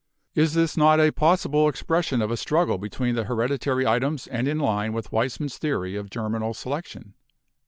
Is this not a possible expression of a struggle between the hereditary items and in line with Weismann's theory of germinal selection?"